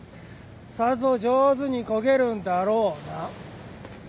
さぞ上手にこげるんだろうな。